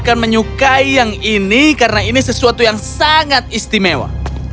bukan menyukai yang ini karena ini sesuatu yang sangat istimewa